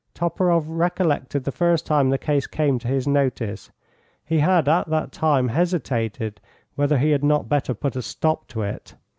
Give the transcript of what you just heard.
Toporoff recollected the first time the case came to his notice: he had at that time hesitated whether he had not better put a stop to it.